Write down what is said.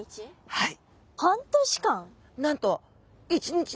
はい。